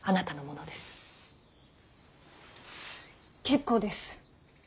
結構です。